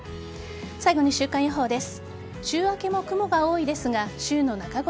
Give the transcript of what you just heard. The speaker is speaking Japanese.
最後に週間予報です。